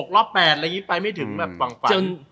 ๑๖รอบ๘อะไรอย่างนี้ไปไม่ถึง